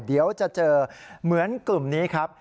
เดี๋ยวจะเจอเหมือนกลุ่มนี้ครับ